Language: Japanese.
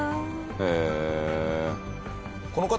へえ。